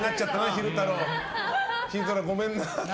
昼太郎、ごめんな。